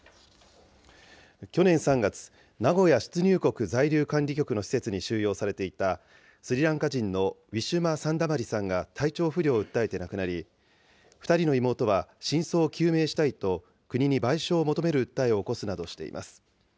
去年３月、名古屋出入国在留管理局の施設に収容されていた、スリランカ人のウィシュマ・サンダマリさんが体調不良を訴えて亡くなり、２人の妹は真相を究明したいと、国に賠償を求める訴えを起こすなどしています。